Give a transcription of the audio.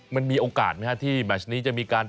มันมีโอกาสไหมครับที่แมชนี้จะมีการ